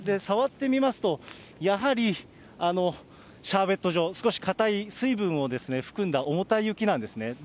触ってみますと、やはりシャーベット状、少し硬い、水分を含んだ重たい雪なんですね。